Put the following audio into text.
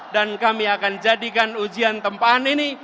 dan kami akan jadikan ujian tempaan ini